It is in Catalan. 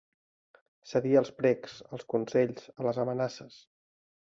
Cedir als precs, als consells, a les amenaces.